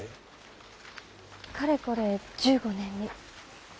かれこれ１５年に。